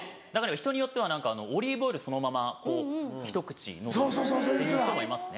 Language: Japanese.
人によっては何かオリーブオイルそのままひと口飲むっていう人もいますね。